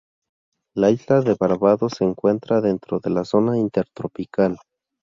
La isla de Barbados se encuentra dentro de la zona intertropical.